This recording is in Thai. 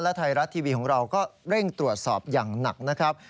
และไทยรัฐทีวีของเราก็เร่งตรวจสอบอย่างหนักนะครับ